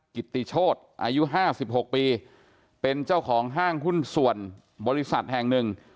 กิติโชธอายุ๕๖ปีเป็นเจ้าของห้างหุ้นส่วนบริษัทแห่งหนึ่ง